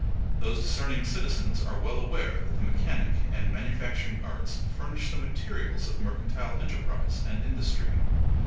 Those discerning citizens are well aware that the mechanic and manufacturing arts furnish the materials of mercantile enterprise and industry.